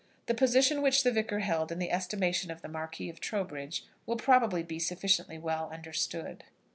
The position which the Vicar held in the estimation of the Marquis of Trowbridge will probably be sufficiently well understood.